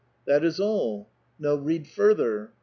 "That is all!" " No, read further."